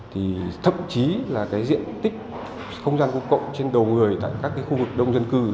thì thậm chí là cái diện tích không gian công cộng trên đầu người tại các cái khu vực đông dân cư